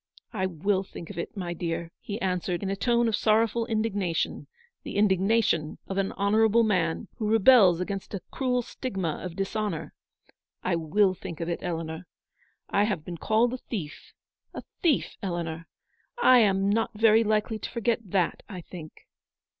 " I will think of it, my dear," he answered, in a tone of sorrowful indignation — the indignation of an honourable man, who rebels against a cruel stigma of dishonour. " I will think of it, Eleanor. I have been called a thief — a thief, Eleanor. I am not very likely to forget that, I think."